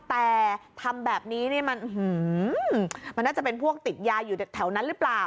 แต่ทำแบบนี้นี่มันน่าจะเป็นพวกติดยาอยู่แถวนั้นหรือเปล่า